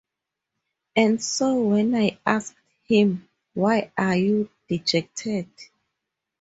And so when I asked him, Why are you dejected?